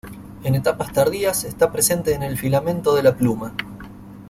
En etapas tardías está presente en el filamento de la pluma.